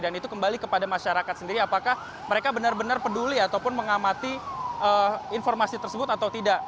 dan itu kembali kepada masyarakat sendiri apakah mereka benar benar peduli ataupun mengamati informasi tersebut atau tidak